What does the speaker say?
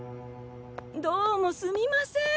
どうもすみません。